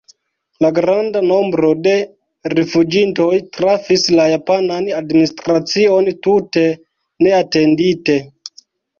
La granda nombro de rifuĝintoj trafis la japanan administracion tute neatendite.